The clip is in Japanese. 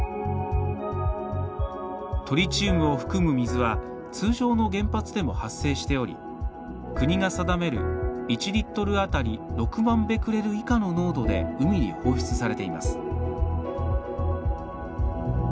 トリチウムを含む水は通常の原発でも発生しており国が定める１リットルあたり６万ベクレル以下の濃度で海に放出されています。